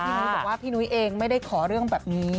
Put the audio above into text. นุ้ยบอกว่าพี่นุ้ยเองไม่ได้ขอเรื่องแบบนี้